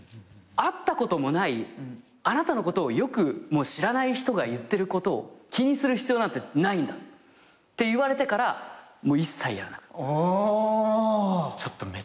「会ったこともないあなたのことをよくも知らない人が言ってることを気にする必要なんてないんだ」って言われてから一切やらなくなった。